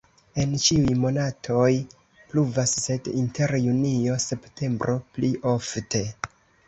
En ĉiuj monatoj pluvas, sed inter junio-septembro pli ofte.